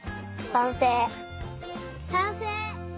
さんせい！